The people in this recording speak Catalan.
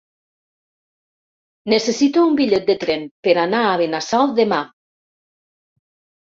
Necessito un bitllet de tren per anar a Benasau demà.